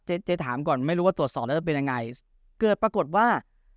เจ๊ถามก่อนไม่รู้ว่าตรวจสอบแล้วจะเป็นยังไงเกิดปรากฏว่า